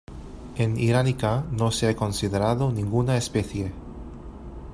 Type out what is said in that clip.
En "Iranica" no se ha considerado ninguna especie.